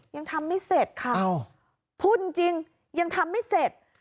ยังทำไม่เสร็จค่ะพูดจริงยังทำไม่เสร็จ